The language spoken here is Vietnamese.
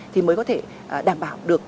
thì mới có thể đảm bảo được